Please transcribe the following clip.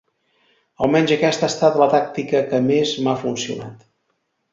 Almenys aquesta ha estat la tàctica que més m'ha funcionat.